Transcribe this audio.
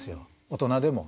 大人でも。